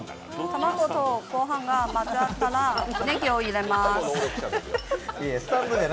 卵とご飯が混ざったらねぎを入れます。